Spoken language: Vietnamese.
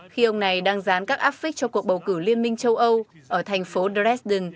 khi ông này đang dán các áp phích cho cuộc bầu cử liên minh châu âu ở thành phố dresden